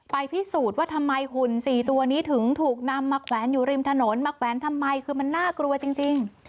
พิสูจน์ว่าทำไมหุ่น๔ตัวนี้ถึงถูกนำมาแขวนอยู่ริมถนนมาแขวนทำไมคือมันน่ากลัวจริง